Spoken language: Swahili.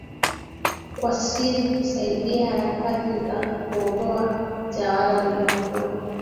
Kwa siri kusaidia harakati za kuondoa utawala uliokuwa